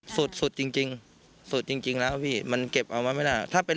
สูตรสูตรจริงสูตรจริงแล้วพี่มันเก็บเอามาไม่ได้ถ้าเป็น